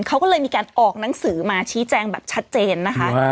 เขาก็เลยมีการออกหนังสือมาชี้แจงแบบชัดเจนนะคะ